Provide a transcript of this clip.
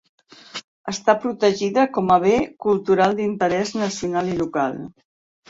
Està protegida com a Bé cultural d'interès nacional i local.